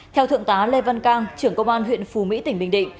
theo thượng tá lê văn cang trưởng công an huyện phù mỹ tỉnh bình định